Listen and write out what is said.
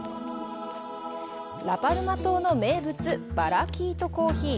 ラ・パルマ島の名物バラキートコーヒー。